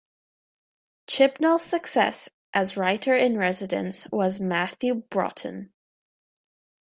Chibnall's successor as Writer in Residence was Matthew Broughton.